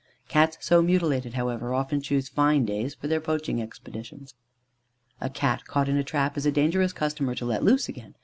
Cats so mutilated, however, often choose fine days for their poaching expeditions. A Cat caught in a trap is a dangerous customer to let loose again.